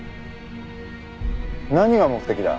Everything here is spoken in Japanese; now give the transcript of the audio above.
何が目的だ？